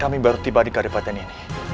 kami baru tiba di kabupaten ini